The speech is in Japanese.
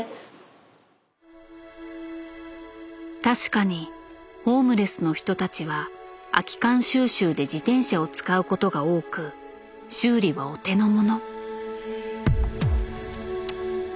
確かにホームレスの人たちは空き缶収集で自転車を使うことが多く修理はお手のもの。